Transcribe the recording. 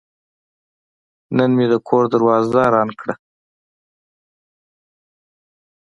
نن مې د کور دروازه رنګ کړه.